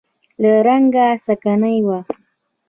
له رنګ سکڼۍ و.